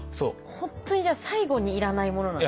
本当にじゃあ最後にいらないものなんですね。